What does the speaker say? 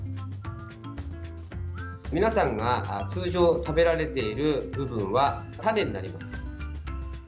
皆さんが通常、食べられている部分は種になります。